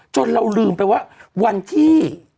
เราลืมไปว่าวันที่